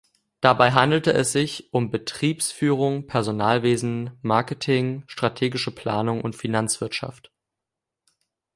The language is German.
Dabei handelte es sich um Betriebsführung, Personalwesen, Marketing, Strategische Planung und Finanzwirtschaft.